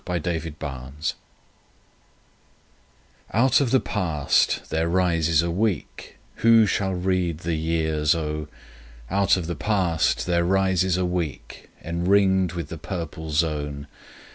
THE CHANGE OUT of the past there rises a week— Who shall read the years O!— Out of the past there rises a week Enringed with a purple zone.